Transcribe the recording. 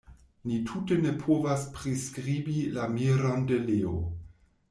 Ni tute ne povas priskribi la miron de Leo.